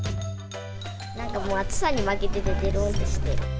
なんかもう暑さに負けて、でろーんってしてる。